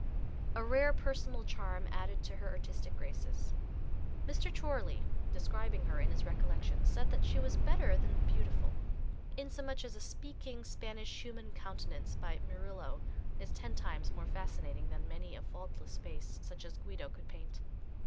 A rare personal charm added to her artistic graces. Mr. Chorley describing her, in his recollections, said that she was better than beautiful, insomuch as a "speaking Spanish human countenance by Murillo is ten times more fascinating than many a faultless face such as Guido could paint."